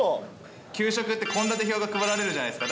給食って献立表が配られるじゃないですか。